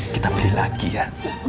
kita beli lagi ya